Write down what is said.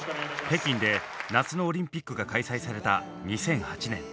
北京で夏のオリンピックが開催された２００８年。